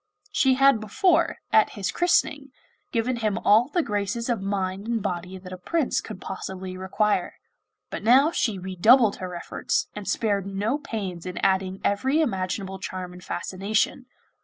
She had before, at his christening, given him all the graces of mind and body that a prince could possibly require; but now she redoubled her efforts, and spared no pains in adding every imaginable charm and fascination.